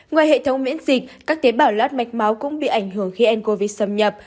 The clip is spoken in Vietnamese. ngoài hệ thống miễn dịch các tế bảo lót mạch máu cũng bị ảnh hưởng khi ncov xâm nhập